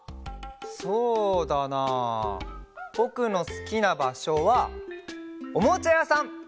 そうだなあぼくのすきなばしょはおもちゃやさん！